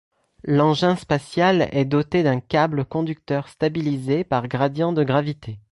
L'engin spatial est doté d'un câble conducteur, stabilisé par gradient de gravité.